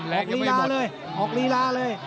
ลีลาเลยออกลีลาเลย